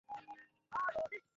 আসতে অল্প সময় লাগবে।